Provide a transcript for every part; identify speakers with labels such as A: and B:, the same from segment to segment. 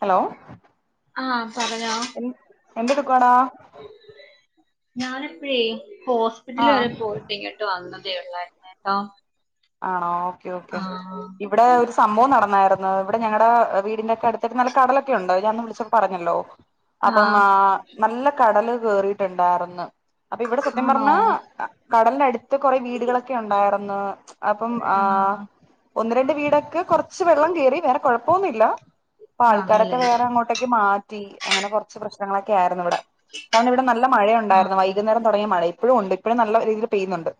A: Hello.
B: ആഹ് പറഞ്ഞോ
A: എൻ എന്തെടുക്കുവാടാ
B: ഞാനിപ്പഴേ ഹോസ്പിറ്റല
A: ആഹ്
B: വരെ പോയിട്ട് ഇങ്ങോട്ട് വന്ന ഉള്ളായിരുന്നു ട്ടോ.
A: ആണോ ഓക്കെ ഓക്കെ ഇവിടെ ഒരു സംഭവം നടന്നായിരുന്നു. ഇവിടെ ഞങ്ങട വീടിന്റെ ഒക്കെ അടുത്ത് നല്ല കടലൊക്കെ ഉണ്ട് ഞാ ഒന്ന് വിളിച്ചന്ന് പറഞ്ഞല്ലോ അപ്പം
B: ആഹ്
A: ആ നല്ല കടല് കേറിയിട്ടുണ്ടായിർന്ന് അപ്പൊ ഇവിടെ സത്യം
B: ആണോ
A: പറഞ്ഞാ കടലിന്റെ അടുത്ത കൊറെ വീടുകളൊക്കെ ഉണ്ടായിരുന്ന് അപ്പം ആ
B: ആഹ്
A: ഒന്ന് രണ്ട് വീടൊക്കെ കുറച്ച് വെള്ളം കേയറി വേറെ കുഴപ്പൊന്നുമില്ല ഇപ്പൊ ആൾക്കാരൊക്കെ
B: ആണല്ലേ
A: വേറെ അങ്ങോട്ടേക്ക് മാറ്റി അങ്ങനെ കുറച്ച് പ്രശ്നങ്ങളൊക്കെ ആയിരുന്നു ഇവിടെ. കാരണം ഇവിടെ നല്ല മഴയുണ്ടായിരുന്നു
B: ആഹ്
A: വൈകുന്നേരം തുടങ്ങിയ മഴ ഇപ്പോഴും ഉണ്ട് ഇപ്പോഴും നല്ല രീതിയിൽ പെയ്യുന്നുണ്ട്.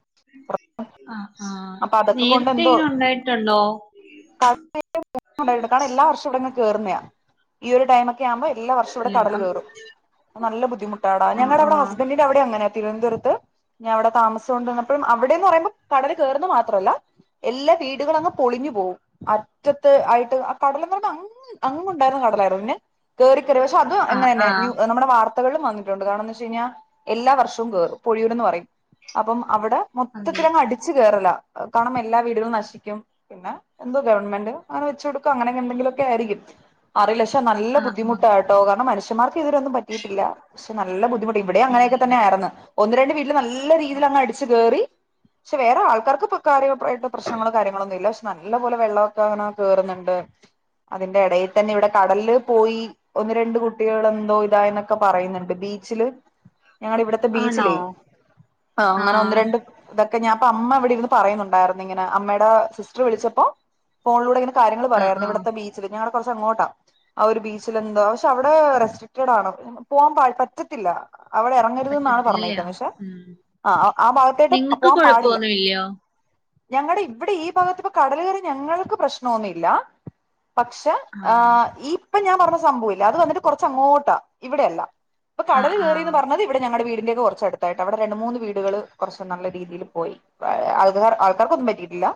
B: ആഹ് ആഹ്
A: അപ്പ അതൊക്കെ കൊണ്ട്
B: നേരത്തെ
A: എന്തോ
B: ഇങ്ങനെ
A: [unintelligible]
B: ഉണ്ടായിട്ടുണ്ടോ
A: കാരണം എല്ലാ വർഷം ഇവിടെ കേ കേറുന്നയാ, ഈ ഒരു ടൈം ഒക്കെ ആകുമ്പോ എല്ലാ വർഷവും ഇവിടെ കടൽ
B: ആഹ്
A: കേറും. നല്ല ബുദ്ധിമുട്ടാടാ
B: ആഹ്
A: ഞങ്ങളുടെ അവിടെ ഹസ്ബന്റഡിന്റെ അവിടെ അങ്ങനെയാ തിരുവനന്തപുരത്ത്. ഇനി അവിടെ താമസിച്ചു കൊണ്ടിരുന്നപ്പോഴും അവിടെന്ന് പറയുമ്പോൾ കടൽ കേയറന്ന് മാത്രമല്ല. എല്ലാ വീടുകളും അങ്ങ് പൊളിഞ്ഞു പോകും അറ്റത്ത് ആയിട്ട് ആ കടല എന്ന് പറയുന്നു അങ അങ്ങ് ഉണ്ടായിരുന്ന കടല്. [unintelligible] കേറി കേറി പക്ഷെ അതും
B: ആഹ്
A: എങ്ങനെ തന്നെ
B: ആഹ്
A: നമ്മുടെ വത്ത വത്തകളും വന്നിട്ടുണ്ട്, കാരണം എന്ന് വെച്ച് കഴിഞ്ഞാൽ എല്ലാ വർഷവും കേറും, പൊഴിയൂരന്ന് പറയും അപ്പം മൊത്ത അവിടെ
B: അതെ
A: മൊത്തത്തിലങ്ങ് അടിച്ചു കയറില്ല. കാരണം എല്ലാ വീടുകളും നശിക്കും, പിന്നെ എന്തോ ഗവൺമെന്റ് അങ്ങനെ വെച്ചു കൊടുക്കും, അങ്ങനെ എന്തെങ്കിലും ഒക്കെ ആയിരിക്കും. അറിയില്ല പക്ഷെ നല്ല
B: ആഹ് ആഹ്
A: ബുദ്ധിമുട്ടായിട്ടോ, കാരണം മനുഷ്യമാർക്ക് ഇതുവരെ ഒന്നും പറ്റിയിട്ടില്ല പക്ഷെ നല്ല ബുദ്ധിമു ഇവിടെ അങ്ങനെയൊക്കെ
B: ഇല്ലില്ല
A: തന്നെ ആയിരുന്നു, ഒന്ന് രണ്ട് വീട്ടില് നല്ല രീതിയിൽ അങ് അടിച്ചു കയറി. പക്ഷെ വേറെ ആൾക്കാർക്ക് ബു കാര്യം ആയിട്ടുള്ള പ്രശ്നങ്ങളോ കാര്യങ്ങളൊന്നും ഇല്ല, പക്ഷെ നല്ലപോലെ വെള്ളമൊക്കെ അങ്ങനെ കയറുന്നുണ്ട്. അതിന്റെ ഇടയിൽ തന്നെ ഇവിടെ കടലില് പോയി ഒന്ന് രണ്ട് കുട്ടികൾ എന്തോ ഇതായിനൊക്കെ പറയുന്നുണ്ട് ബി ബീച്ചില് ഞങ്ങടെ ഇവിടത്തെ
B: ആണോ
A: ബീച്ചിലേ ആഹ് അങ്ങനെ ഒന്ന് രണ്ട് ഇതൊക്കെ ഞാൻ അമ്മ ഇവിടെ ഇരുന്നു. പറയുന്നുണ്ടായിരുന്നു ഇങ്ങനെ അമ്മയുടെ സിസ്റ്റർ വിളിച്ചപ്പോ ഫോണിലൂടെ ഇങ്ങനെ. കാര്യങ്ങള്
B: ആഹ്
A: പറയുമായിരുന്നു,
B: ആഹ്
A: ഇവിത്തെ ബീച്ചിൽ ഞങ്ങള് കുറച്ച് അങ്ങോട്ടാ. ആ ഒരു ബീച്ചിൽ എന്താ പക്ഷെ അവിടെ റെസ്ട്രിക്റ്റഡ് ആണ് പോവാൻ പാട പറ്റത്തില്ല. അവിടെ ഇറങ്ങരുത് എന്നാണ്
B: പറ്റത്തില്ലല്ലേ
A: പറഞ്ഞേക്കുന്നത് പക്ഷേ
B: ഉം
A: ആഹ് ആ ഭാഗത്തേട്ടും
B: നിങ്ങക്ക്
A: പോവാൻ പാടില്ല.
B: കൊഴപ്പൊന്നുല്ലയോ
A: ഞങ്ങടെ ഇവിടെ ഈ ഭാഗത്ത് ഇപ്പോ കടൽ കയറി ഞങ്ങൾക്ക് പ്രശ്നമൊന്നുമല്ല. പക്ഷെ ആഹ് ഈ ഇപ്പൊ ഞാൻ പറഞ്ഞു സംഭവമില്ലേ അത് വന്നിട്ട് കുറച്ചങ്ങോട്ടാ ഇവിടെയല്ല. ഇപ്പ
B: ആഹ്
A: കടല് കേയറിന്ന്
B: ആഹ്
A: പറഞ്ഞത് ഇവിടെ ഞങ്ങടെ വീട്. ന്റെ കുറച്ചടുത്തായിട്ട്, അവിടെ രണ്ട് മൂന്ന് വീടുകൾ കുറച്ച് നല്ല രീതിയിൽ പോയി. ആൾക്കാർ ആൾക്കാർക്ക് ഒന്നും പറ്റിയിട്ടില്ല,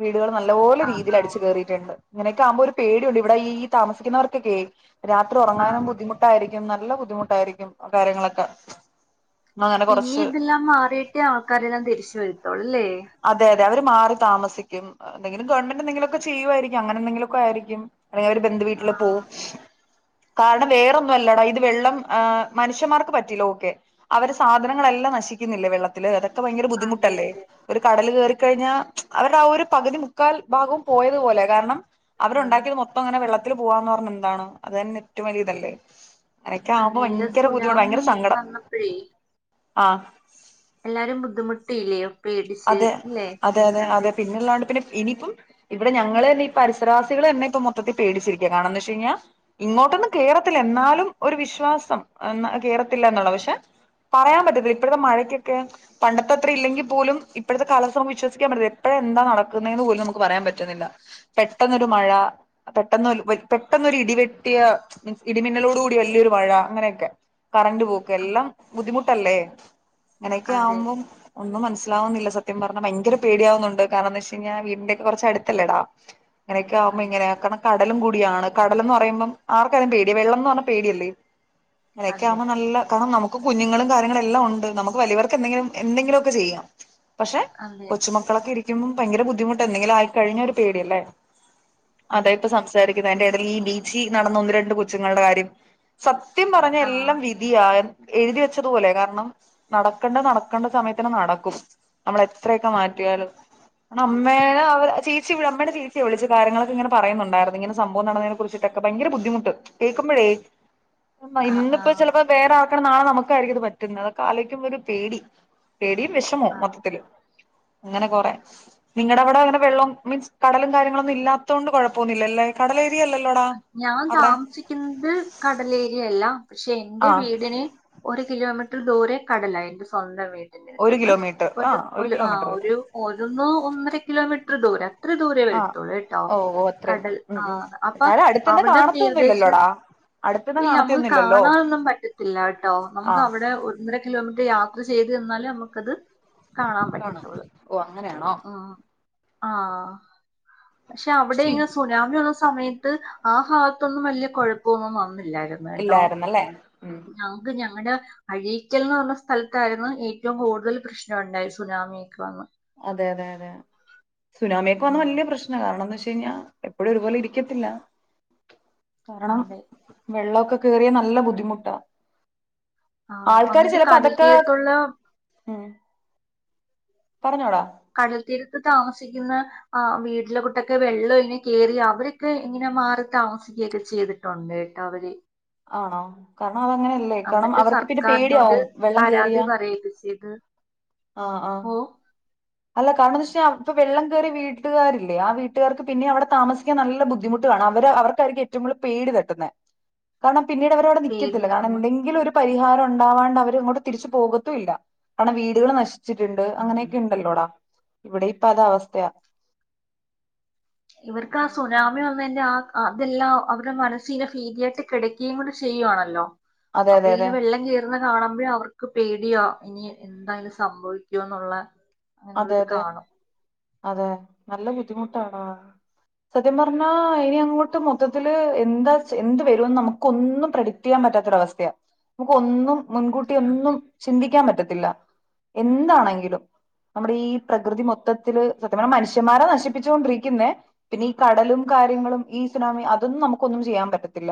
A: വീടുകൾ നല്ലപോലെ
B: ആഹ്
A: രീതിയിൽ
B: ആഹ്
A: അടിച്ചു കറിയിട്ടുണ്ട്. ഇങ്ങനെയൊക്കെ ആക്കുമ്പോ ഒരു പേടിയുണ്ട്, ഇവിടെ ഈ താമസിക്കുന്നവർക്കൊക്കെയും രാത്രി ഉറങ്ങാനും
B: ആഹ്
A: ബുദ്ധിുട്ടായിരി ക്ക് നല്ല ബുദ്ധിമുട്ടായിരിക്കും ആ കാര്യങ്ങളൊക്കെ. അങ്ങനെ
B: ഇനി
A: കുറച്ച്
B: ഇതെല്ലാം മാറിയിട്ട് ആൾക്കാരെല്ലാം തിരിച്ചു വരത്തുള്ളൂ അല്ലേ.
A: അതെ അവര് മാറി താമസിക്കും എന്തെങ്കിലും ഗവൺമെന്റ് എന്തെിലൊക്കെ ചെയ്യുവായിരിക്കും അങ്ങനെ എന്തെിലൊക്കെ ആയിരിക്കും. അല്ലെ അവർ ബന്ധുവീട്ടില് പോകും. കാരണം വേറൊന്നും അല്ലടോ, ഇത് വെള്ളം ആഹ് മനുഷ്യമാർക്ക് പറ്റിയില്ല ഓക്കെ അവര് സാധനങ്ങളെല്ലാം. നശിക്കുന്നില്ലേ വെള്ളത്തിൽ അതൊക്കെ ഭയങ്കര
B: അതെ
A: ബുദ്ധിമുട്ടല്ലേ.
B: അതെ
A: കടൽ കയറിക്കഴിഞ്ഞാൽ അവരുടെ ആ ഒരു പകുതി മുക്കാൽ ഭാഗവും പോയതുപോലെ കാരണം. അവരുണ്ടാക്കിയത് മൊത്തം അങ്ങനെ വെള്ളത്തിൽ പോവാന്ന് പറഞ്ഞ എന്താണ്, അത് തന്നെ ഏറ്റവും വലിയ ഇതല്ലേ. അങ്ങനെയൊക്കെ ആകുമ്പോ
B: അതേല്ല
A: ഭയങ്കര ബുദ്ധിമുട്ട്
B: സുനാമി
A: ഭയങ്കര സങ്കടം
B: വന്നപ്പോഴേ
A: ആഹ്.
B: എല്ലാരും ബുദ്ധിമുട്ടയില്ലേ.
A: അതെ അതെ അതെ അതെ പിന്നെള്ളാണ്ട് പിന്നെ. ഇനിയിപ്പം ഇവിടെ ഞങ്ങള് തന്നെ ഈ പരിസരവാസികൾ തന്നെ ഇപ്പം മൊത്തത്തി പേടിച്ചിരിക്കുക, കാരണം എന്നെ വെച്ച് കഴിഞ്ഞാൽ ഇങ്ങോ ട്ട് ഒന്നും കേറത്തില്ല എന്നാലും ഒരു വിശ്വാസം കേറത്തില്ല എന്നുള്ള പക്ഷെ. പറയാൻ പറ്റത്തില്ല ഇപ്പോഴത്തെ മഴക്കൊക്കെ പണ്ടത്തെ അത്ര ഇല്ലെങ്കിൽ പോലും. ഇപ്പോഴത്തെ കാലാവസ്ഥ നമുക്ക്‌ വിശ്വസിക്കാൻ പറ്റില്ല, എപ്പോഴ എന്താ നടക്കുന്നതന്ന് പോലും നമുക്ക് പറയാൻ പറ്റുന്നില്ല പെട്ടെന്നൊരു മഴ. പെട്ടെന്ന് ഒൽ ഒര് പെട്ടെന്നൊരു ഇടിവെട്ടിയ ഇടിമിന്നലോട് കൂ ടി വല്ല്യൊരു മഴ അങ്ങനെയൊക്കെ കറന്റ് പോക്ക്
B: ആ,
A: എല്ലാം ബുദ്ധിമുട്ടല്ലേ ഇങ്ങനെയൊക്കെ
B: അതെ
A: ആവുമ്പം ഒന്ന് മനസ് ലാവുന്നില്ല സത്യം പറഞ്ഞാ ഭയങ്കര പേടിയാവുന്നുണ്ട് കാരണം എന്താ വെച്ച് കഴിഞ്ഞാ വീടിന്റെ ഒക്കെ കുറച്ച് അടുത്തല്ലെ ഡാം ഇങ്ങനെയൊക്കെ ആവുമ്പോ
B: അതെ
A: ഇങ്ങനെ കാരണം കടലും കൂടിയാണ് കടല് എന്ന് പറയുമ്പം ആർക്കായാലും പേടിയ വെള്ളം എന്ന് പറഞ്ഞാ പേടിയല്ലേ അങ്ങനെയൊക്കെ
B: അതെ
A: ആവുമ്പോ നല്ല കാരണം നമു ഇക്ക് കുഞ്ഞുങ്ങളും കാര്യങ്ങളല്ലാം ഉണ്ട് നമുക്ക് വലിയവർക്ക് എന്തെങ്കിലും എന്തെങ്കിലും ഒക്കെ ചെയ്യാം പക്ഷെ
B: അതെ അതെ
A: കൊച്ചുമക്കളൊക്കെ ഇരിക്കുമ്പം ഭയങ്കര ബുദ്ധിമുട്ട് എന്തെങ്കിലും ആയിക്കഴിഞ്ഞാ ഒരു പേടിയല്ലേ അതെ ഇപ്പ സംസാരിക്കുന്നത് അയിൻ്റെ എടേൽ ഈ ബീച്ചി നടന്ന ഒന്ന് രണ്ട് കൊച്ചുങ്ങളുടെ കാര്യം സത് ത്യം പറഞ്ഞ
B: ആ
A: എല്ലാം വിധിയാ എഴുതി വെച്ചതുപോലെ കാരണം നടക്കണ്ടത് നടക്കേണ്ട സമയത്തിന് നടക്കും നമ്മള് എത്രയൊക്കെ
B: അതെ
A: മാറ്റിയാലും ണം അമ്മേനെ അവരെ ചേച്ചി അമ്മേടെ ചേച്ചിയ വിളിച്ച് കാര്യങ്ങളൊക്കെ ഇങ്ങനെ പറയുന്നുണ്ടായിരുന്നു ഇങ്ങനെ സംഭവം നടന്നതിനെ കുറിച്ചിട്ടൊക്കെ ഭ ഭയങ്കര ബുദ്ധിമുട്ട് കേക്കുമ്പഴേ
B: ആ ആ
A: ഇന്നിപ്പോ ചിലപ്പോ വേറെ ആ നാളെ നമുക്കായിരിക്കും ഇത് പറ്റുന്നത് അതൊക്കെ ആലോചിക്കുമ്പ ഒരു പേടി പേടിയും വിഷ
B: ആ
A: മൊത്തത്തില് അങ്ങനെ കുറേ നിങ്ങടെ അവിടെ അങ്ങനെ വെള്ളം മീൻസ് കടലും കാര്യങ്ങളൊന്നും ഇല്ലാത്തോണ്ട് കൊഴപ്പൊന്നുല്ലല്ലേ കടല്
B: ഞാൻ താമസിക്കുന്നത് കടലേരിയയല്ല പക്ഷെ
A: ആ
B: എന്റെ വീടിന് ഒരു കിലോമീറ്റർ ദൂരെ കടലാ എന്റെ സ്വന്തം വീട്
A: ഒരു കിലോമീറ്റർ ആ
B: ഒരു ആ
A: കിലോമീറ്റർ വരും
B: ഒരു ഒന്ന് ഒന്നര കിലോമീറ്റർ ദൂരം അത്ര ദൂരവെ
A: ആ
B: വരുത്തള്ളൂ എട്ടോ
A: ഓ ഓ അത്രയും
B: കടൽ
A: ഉം
B: ആ
A: ഉം
B: അപ്പൊ
A: എന്നാലും അടുത്തന്നെ
B: അവിടെ തീരദേശം
A: കാണത്തൊന്നുമില്ലല്ലോടാ അടുത്തന്ന്
B: ഇല്ല നമുക്ക്
A: കാണത്തൊന്നുമില്ലല്ലോ
B: കാണാനൊന്നും പറ്റത്തില്ല കേട്ടോ
A: ആ
B: നമുക്ക് അവിടെ ഒന്നര കിലോമീറ്റർ യാത് ത്ര ചെയ്ത് തന്നാലേ നമുക്കത് കാണാൻ
A: കാണാം
B: പറ്റത്തുള്ളൂ
A: ഓ അങ്ങനെയാണോ
B: ഉം ആ പക്ഷെ അവിടെ
A: ശി
B: ഇങ്ങനെ സുനാമി ഉള്ള സമയത്ത് ആ ഭാഗ ത്തൊന്നും വല്ല്യ കുഴപ്പൊന്നും വന്നില്ലായിരുന്നു കേട്ടോ
A: ഇല്ലായിരുന്നല്ലേ ഉം
B: ഞങ്ങക്ക് ഞങ്ങ [unintelligible] ങ്ങടെ അഴീക്കൽ എന്ന് പറഞ്ഞ സ്ഥലത്തായിരുന്നു ഏറ്റവും കൂടുതൽ പ്രശ്നമുണ്ടായി സുനാമിയക്ക് വന്ന്
A: അതെ അതെ അതെ സുനാമിയൊക്കെ വന്ന
B: ഉം,
A: വല്യ പ്രശ്നാ കാരണംന്ന് വച്ചാ പിന്നെ എപ്പഴും ഒരുപോലെ ഇരിക്കത്തില്ല കാരണം
B: അതെ
A: വെള്ള ഒക് ക്കെ കേറിയാ നല്ല ബുദ്ധിമുട്ടാ
B: ആ,
A: ആൾക്കാര്
B: വന്നിട്ട്
A: ചെലപ്പോ
B: കടൽ
A: അതൊക്കെ
B: തീരത്തുള്ള
A: ഉം പറഞ്ഞോടാ
B: കടൽത്തീരത്ത് താമസിക്കുന്ന ആ വീട്ടിലെ കുട്ടൊക്കെ വെള്ളം ഇങ്ങനെ കേറി അവരൊക്കെ ഇങ്ങനെ മാറി താമസിക്കുകയൊക്കെ ചെയ്തിട്ടുണ്ട് അവര്
A: ആണോ ക ആ അതങ്ങനെയല്ലേ കാരണം
B: എന്നിട്ട്
A: അവർക്ക് പിന്നെ
B: സർക്കാരിനോട്
A: പേടിയാവും വെള്ളം
B: പരാതി
A: കേറിയാ
B: പറയുകയൊക്കെ ചെയ്ത്
A: ആ ആ
B: ഓ
A: അല്ല കാരണം ന്ന് വെച്ചാ അവർക്ക് വെള്ളം കയറിയ വീട്ടുകാരില്ലേ ആ വീട്ടുകാർക്ക് പിന്നെ അവിടെ താമസിക്കാൻ നല്ല ബുദ്ധിമുട്ട് കാണും അവര് അവർക്കായിരിക്കും ഏറ്റവും കൂടുതൽ പേടി തട്ടുന്നത് കാരണം പിന്നീട് അവരവിടെ നിക്കത്തില്ലാ കാരണം
B: പേടിയാന്ന്
A: എന്തെങ്കിലും ഒരു പരിഹാരം ഉണ്ടാവാണ്ട് അവരങ്ങോട്ട് തിരിച്ചു പോകത്തും ഇല്ല കാരണം വീടുകൾ നശിച്ചിട്ടുണ്ട്
B: ഉം.
A: അങ്ങനെയൊക്കെ ഇൻ ള്ളോടാ ഇവിടെ ഇപ്പ അത് അവസ്ഥയാ
B: ഇവർക്ക് ആ സുനാമി വന്നയ്ന്റെ ആ ആ അതെല്ലാം അവരുടെ മനസ്സിനെ ഭീതിയായിട്ട് കിടക്കുകയും കൂടി ചെയ്യുവാണല്ലോ
A: അതെ
B: അപ്പൊ
A: അതെ അതെ
B: ഇങ്ങനെ വെള്ളം കേറുന്ന കാണുമ്പഴ അവർക്ക് പേടിയാ ഇനി എന്താണ് സംഭവിക്കോന്നുള്ള
A: അതെ
B: അങ്ങനുള്ളത്
A: അതെ
B: കാണും
A: അതെ നല്ല ബുദ്ധിമുട്ടാടാ സത്യം പറഞ്ഞാ ഇനി അങ്ങോട്ട് മൊത്തത്തിൽ എന്താ എന്ത് വരുമെന്ന് നമുക്കൊന്നും പ്രെഡിക്ട് ചെയ്യാൻ പറ്റ് പറ്റാത്തൊരവസ്ഥയാ നമുക്ക് ഒന്നും മുൻകൂട്ടി ഒന്നും
B: അതെ
A: ചിന്തിക്കാൻ പറ്റത്തില്ല എന്താണെങ്കിലും നമ്മുടെ ഈ പ്രകൃതി മൊത്തത്തിൽ സത്യം പറഞ്ഞാ മനുഷ്യൻമാരാ നശിപ്പിച്ചു കൊണ്ടിരിക്കുന്നേ പിന്നെ ഈ കടലും കാര്യ ങ്ങളും ഈ സുനാമി അതൊന്നും നമുക്കൊന്നും ചെയ്യാൻ പറ്റത്തില്ല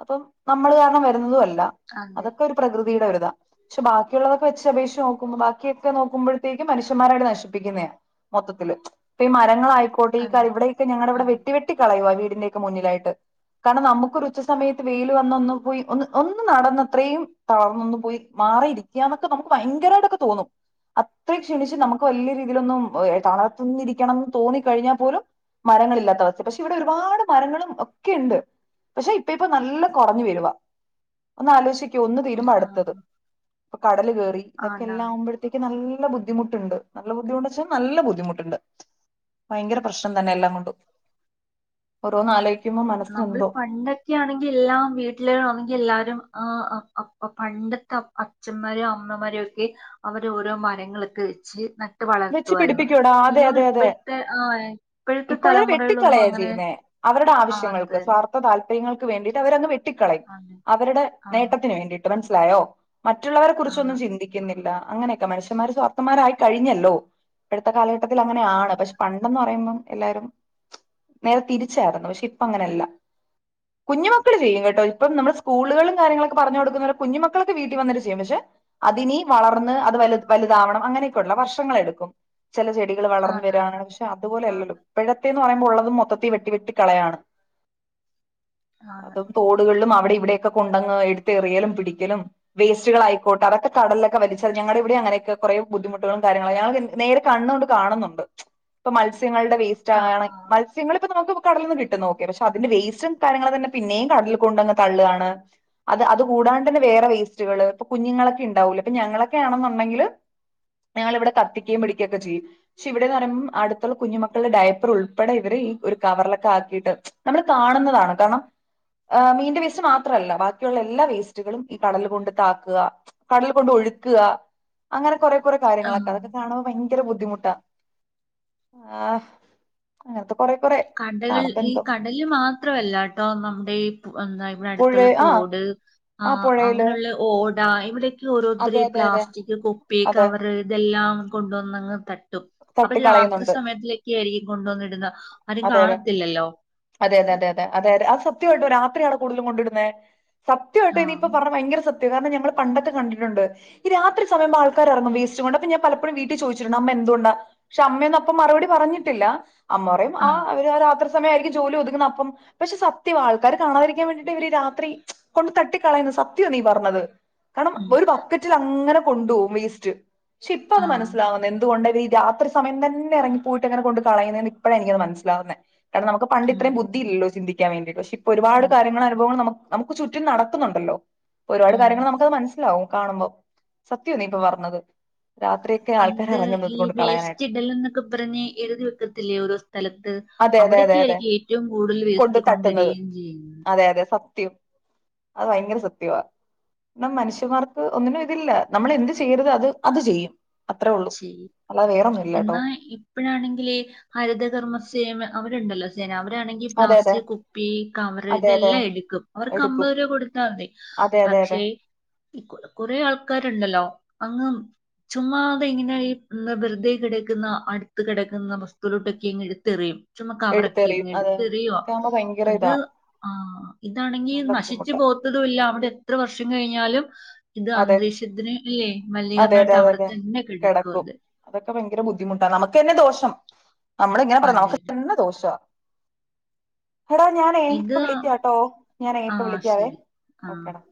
A: അപ്പം നമ്മൾ കാരണം വരുന്നതും അല്ല [unintelligible]
B: അതെ
A: അതൊക്കെ ഒരു പ്രകൃതിയുടെ ഒരു [unintelligible] ക്ഷെ ബാക്കിയുള്ളതൊക്കെ വെച്ച് അപേക്ഷിച്ച് നോക്കുമ്പോ ബാക്കിയൊക്കെ നോക്കുമ്പോഴത്തേക് [unintelligible] മനുഷ്യന്മാരായിട്ട് നശിപ്പിക്കുന്നതാ മൊത്തത്തില് ഇപ്പൊ ഈ മരങ്ങളായി കൊടി കാ
B: അതെ
A: ഇവിടൊക്കെ ഞങ്ങളവിടെ
B: അതെ
A: വെട്ടി വെട്ടി കളയുവ വീടിന്റെയക്കെ മുന്നിലായിട്ട് കാരണം നമുക്കൊരു ഉച്ച സമയത്ത് വെയില് വന്നൊന്ന് പോയി ഒ ഒന്ന് നടന്നത്രയും തളർന്നൊന്നു പോയി മാറിരിക്കന്നൊക്കെ നമുക്ക് ഭയങ്കരമായിട്ടൊക്കെ തോന്നും ത്ര ക്ഷണിച്ച് നമുക്ക് വലിയ രീതിയിലൊന്നും തളർത്തുന്നിരിക്കണംന്ന് തോന്ന കഴിഞ്ഞാൽ പോലും മരങ്ങളില്ലാത്ത അവസ്ഥ പക്ഷെ ഇവിടെ ഒരുപാട് മരങ്ങളും ഒക്കെ ഉണ്ട് പക്ഷെ ഇപ്പ ഇപ്പൊ നല്ല കുറഞ്ഞു വരുവാ ഒന്ന് ആലോചി ഒന്ന്
B: ഉം
A: തീരുമ്പോ അടുത്തത്
B: ആഹ്
A: ഇപ്പ കടല് കേറി ഇതൊക്കെ
B: ആണാണ്
A: എല്ലുമ്പോഴതേക്ക് നല്ല [unintelligible] ബുദ്ധിമുട്ടുണ്ട് നല്ല ബുദ്ധിമുട്ട വച്ചാൽ നല്ല ബുദ്ധിമുട്ടുണ്ട് ഭയങ്കര പ്രശ്നം തന്നെ എല്ലാം കൊണ്ടു ഓരോ നാലായി
B: നമ്മൾ പണ്ടൊക്കെയാണെങ്കിൽ എല്ലാം വീട്ടിലാണെങ്കിൽ എല്ലാരും ആഹ് [unintelligible] പണ്ടത്തെ അച്ഛന്മാരോ അമ്മമാരോ ഒക്കെ അവര ഓരോ മരങ്ങളൊക്കെ വെച്ച് നൽ [unintelligible]
A: വെച്ച്
B: വളർത്തുവായിരുന്നു
A: പിടിപ്പിക്കൂടാ അതെ
B: ഇനിക്ക് തോന്നു
A: അതെ അതെ
B: ഇപ്പോഴത്തെ ആ ഇപ്പോഴത്തെ
A: ഇപ്പോഴൊരു
B: തലമുറയിലൊന്നും
A: വെട്ടിക്കളയാ
B: അങ്ങനെ
A: ചെയ്യുന്നേ
B: ആഹ് അത്
A: [unintelligible]
B: തന്നെ
A: സ്വാർത്ഥ താല്പര്യങ്ങൾക്ക് വേണ്ടിട്ട് അവര് വെട്ടിക്കളയും
B: ആണ്
A: അവരുടെ
B: ആണ്
A: നേട്ടത്തിന് വേണ്ടിട്ട് മന ലായോ മറ്റുള്ളവരെ കുറിച്ചൊന്നും
B: ആണ്
A: ചിന്തിക്കുന്നില്ല അങ്ങനെയൊക്കെ മനുഷ്യമാർ സ്വാർഥന്മാരയി കഴിഞ്ഞല്ലോ ഇപ്പഴേത്തെ കാലഘട്ടത്തിൽ അങ്ങനെ ആണ് പക്ഷെ പണ്ടന്ന് പറയുമ്പം എല്ലാരും നേരെ തിരിച്ചായിരുന്നു പക്ഷെ ഇപ്പ അങ്ങനല്ല കുഞ്ഞു മക്കൾ ചെയ്യും. കേട്ടോ ഇപ്പം നമ്മള് സ്കൂളുകളിലും കാര്യങ്ങളൊക്കെ പറഞ്ഞ് കൊടുക്കുന്നവരെ കുഞ്ഞുക്കൊക്കെ വീട്ടിൽ വന്നട്ട ചെയ്യും. പക്ഷെ അതിനി വളർന്ന് അത് വലു വലുതാവണം. അങ്ങനെയൊക്കെയള്ള വർഷങ്ങ എടുക്കും. ചെല ചെടികൾ വളർന്നു
B: ആണാണ്
A: വരയാണ് പക്ഷെ
B: ആഹ്
A: അതുപോലെയല്ലല്ലോ ഇപ്പോഴത്തെ [unintelligible] പറയുമ്പോ ഉള്ളത് മൊത്തത്തി വെട്ടി വെട്ടി കളയാണ്.
B: ആണ്
A: അതും തോടുകളിലും അവിടെ ഇവിടെ ത് കൊണ്ടന്ന് എടുത്ത് എറിയലും പിടിക്കലും വേസ്റ്റുകള ആയിക്കോട്ടെ അതൊക്കെകടലിലൊക്കെ വലിച്ചെറിഞ്ഞ് ഞങ്ങളുടെവിടെ അങ്ങനെയൊക്കെ കുറെ ബുദ്ധിമുട്ടുകളും കാര്യങ്ങളായി ഞാൻകളെന്തി നേരെ കണ്ണുകൊണ്ട് കാണുന്നുണ്ട്. ഇപ്പൊ മത്സ്യങ്ങളുടെ വേസ്റ്റ്
B: ആഹ്
A: ആക
B: ആഹ്
A: മത്സ്യങ്ങള ഇപ്പ നമുക്ക് കടലെന്ന് കിട്ട നോക്ക പക്ഷെ അതിന്റെ വേസ്റ്റും കാര്യങ്ങളും തന്നെ പിന്നെയും കടലിൽ കൊണ്ട തള്ളാണ് അത് അ കൂ കടാണ്ട് തന്നെ വേറെ വേസ്റ്റുകൾ ഇപ്പൊ കുഞ്ഞുങ്ങളൊക്കെണ്ടാവൂ ഇപ്പൊ ഞങ്ങളൊക്കെ ആണെന്നുണ്ടെങ്കിൽ ഞങ്ങള ഇവിടെ കത്തി [unintelligible] പിടിക്കുകൊ ചെയ്യും. പക്ഷെ ഇവിടെന്ന് പറുമ്പോ അടുത്തുള്ള കുഞ്ഞുക്കളുടെ ഡയപ്പർ ഉൾപ്പെടെ ഇവരെ ഈ ഒരു കവറിലൊക്കെ ആ [unintelligible] ട്ട് നമ്മള് കാണുന്നതാണ് കാരണം ആ മീന്റെ വേസ്റ്റ് മാത്രല്ല. ബാക്കിയുള്ള എല്ലാ വേസ്റ്റുകളും ഈ കടല കൊണ്ട് താക്കാ കടല കൊണ്ട് [unintelligible] അങ്ങനെ കുറേ കുറെ കാര്യങ്ങളൊക്കെ
B: ആഹ്
A: അതൊക്കെ കാണുമ്പോ ഭയങ്കര ബുദ്ധിമുട്ടാ ആഹ് കൊറെ കൊറെ
B: കടല്
A: കാണുമ്പോ
B: ഈ
A: എന്തോ
B: കടലില് മാത്രമല്ല കേട്ടോ? നമ്മുടെ എന്താ ഇവിടെ
A: പുഴ
B: അടുത്തുള്ള
A: ആഹ്
B: തോട് ആ അങ്ങനെയുള്ള ഓട ഇവിടെ
A: അതെ
B: ഓരോത്തരി
A: അതെ അതെ
B: പ്ലാസ്റ്റിക് കൊപ്പി
A: അതെ
B: കവർ ഇതെല്ലാം കൊണ്ടുവന്നങ്ങ് ത അപ്പൊ രാത്രി
A: തട്ടിക്കളയുന്നുണ്ട്
B: സമയത്തിലൊക്കെ ആയിരിക്കും. കൊണ്ടുവന്നിടുന്ന ആരും
A: അതെ അതെ
B: കാണത്തില്ലല്ലോ
A: അതെതെ അതെതെ അതെ ആ സത്യയായിട്ടും രാത്രിയാണ് കൂടുതലും കൊണ്ടിടുനേ സത്യയായിട്ട്
B: ആ
A: ഇനിയിപ്പ പറഞ്ഞ ഭയങ്കര സത് [unintelligible] രണം ഞങ്ങള് പണ്ട കണ്ടിട്ടുണ്ട്. ഈ രാത്രി സമയം ആൾക്കാ ഇറങ്ങും വേസ്റ്റ് കൊണ്ട് അ ഞാൻ പലപ്പോഴും വീട്ടിൽ ചോദിച്ചിട്ടുണ്ട്. അമ്മേ ന്ത് കൊണ്ട് പക്ഷെ അമ്മേന്നപ്പ മറുപടി പറഞ്ഞിട്ടില്ല. അമ്മറയും ആ രാത്രി സമയമായിരിക്കും ജോലി ഒതുക്കുന്ന അപ്പം പെ സത്യം ആൾക്കാര് കാണാതിരിക്കാൻ വേണ്ടിയിട്ട് ഇവര് രാത്രി കൊണ്ട് തട്ടി കളയുന്ന സത്യ നീ പർന്നത് കാരണം
B: ഉം
A: ഒരു ബക്കറ്റിലിങ്ങനെ കൊണ്ടു പോകും വേസ്റ്റ്. ശേ ഇപ്പ
B: ആ
A: അത് മനസ്സിലാവുന്ന എന്തുകൊണ്ട് രാത്രി സമയം തന്നെ ഇറങ്ങിപ്പോയിട്ട് അങ്ങനെ കൊണ്ട് കളയുന്നന്ന് ഇപ്പഴാണ് എനിക്കത് മനസ്സിലാവുന്നേ കാര നമക്ക് പണ്ട്
B: ഉം
A: ഇത്ര ബുദ്ധില്ലോ ചിന്തിക്കാൻേവേണ്ടി പെ ഇപ്പോ ഒരുപാട
B: അതെ
A: കാര്യങ്ങൾ അനുഭവങ്ങൾ നമുക്ക് ചുറ്റും നടക്കുന്നുണ്ടല്ലോ ഒരുപാട്
B: ഉം
A: കാര്യങ്ങൾ നമുക്കത് മനസ്സിലാവും കാണുമ്പോ സത്യം നീ ഇപ്പൊ പറഞ്ഞത് രാത്രിയൊക്കെ ആൾക്കാർ ഇറങ്ങുന്നത് കൊണ്ട് കളയാനായിട്ട്
B: വേസ്റ്റ്ടെൽ എന്നൊക്കെ പറഞ്ഞ് എഴുതി വെക്കത്തില്ലേ ഓരോ സ്ഥലത്ത്
A: അതെ അതെ അതെ
B: അവിടൊക്കെ
A: അതെ
B: ആയിരിക്കും ഏറ്റവും കൂടുതൽ
A: കൊണ്ട്
B: വേസ്റ്റ്
A: തട്ടുന്നത്
B: കൊണ്ടിടയും ചെയ്യുന്നു
A: അതെ അതെ സത്യം അത് ഭയങ്കര സത്യവാ എന്ന മനുഷ്യന്മാർക്ക് ഒന്നിനും ഇതില്ല നമ്മൾ എന്ത് ചെയ്യരുത് അത് അത് ചെയ്യും അത്രേ ഉള്ളൂ
B: ശരി
A: അല്ലാതെ വേറൊന്നും ഇല്ല കേട്ടോ
B: എന്നാ ഇപ്പഴാണെങ്കിൽ ഹരിതകർമ്മസേ അവ അവരാണെങ്കിൽ
A: അതെ അതെ
B: പ്ലാസ്റ്റിക് കുപ്പി കവറ്
A: അതെ അതെ
B: ഇതെല്ലാം എടുക്കും അവർക്ക്
A: എടുക്കും
B: അമ്പത്ര കൊടുത്താൽ മതി
A: അതെ അതെ അതെ
B: കൊറേ ആൾക്കാരുണ്ടല്ലോ അങ്ങ് ചുമ്മാ ങ്ങനെ ഈ വെറുതെ കിടക്കുന്ന അടുത്ത് കിടക്കുന്ന വസ്തുലോട്ടൊക്കെ എങ്ങ തെറിയും ചച്ചമ കവറയ്ക്ക ഇ
A: എടുത്തെറിയും അതെ
B: എടുത്ത് അറിയോ
A: ഇതൊക്കെ ആകുമ്പോ ഭയങ്കര
B: അത്
A: ഇതാ
B: ആ ഇതാണെങ്കി
A: നല്ല
B: നശിച്ചു
A: ബുദ്ധിമുട്ടാ
B: പോത്തതും ഇല്ല അവിടെ എത്ര വർഷം കഴിഞ്ഞാലും ഇത്
A: അതെ
B: അന്തരീക്ഷത്തിന് അല്ലേ
A: അതെ അതെ
B: മലീകർണായിട്ടം
A: അതെ
B: അവിടെ
A: അതെ
B: തന്നെ
A: കിടക്കും അതൊക്കെ ഭയങ്കര ബുദ്ധിമുട്ടാണ് നമുക്ക് തന്നെ ദോഷം നമ്മള ഇങ്ങനെ പറയാ
B: അതെ അതെ
A: നമുക്ക്ന്നെ ദോഷ എടാ ഞാനപ്പ
B: ഇത്
A: വിളിക്കട്ടോ ഞൻ
B: ആ
A: യിപ്പ വിളിക്കാവേ
B: ശരി ആ
A: ഓക്കേടാ